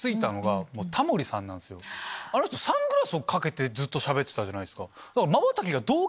あの人サングラスをかけてしゃべってたじゃないですか。